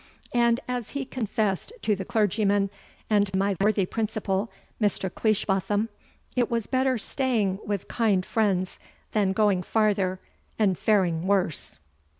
And, as he confessed to the clergyman, and my worthy principal, Mr. Cleishbotham, "it was better staying with kend friends, than going farther, and faring worse."